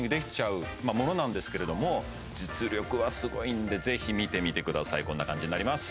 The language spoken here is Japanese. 実力はすごいんでぜひ見てみてくださいこんな感じになります